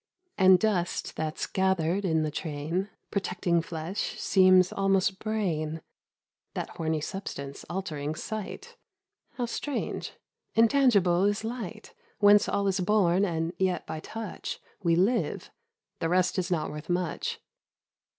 And dust that's gathered in the train — Protecting flesh, seems almost brain (That horny substance altering sight) ; How strange : intangible is light Whence all is born, and yet by touch We live, the rest is not worth much.